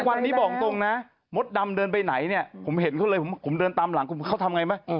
วันนี้บอกตรงนะมดดำเดินไปไหนเนี่ยผมเห็นเขาเลยผมเดินตามหลังคุณเขาทำไงไหม